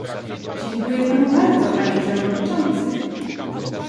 Dziękuję panu bardzo, panie przewodniczący!